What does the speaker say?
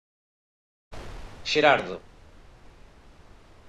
Xerardo.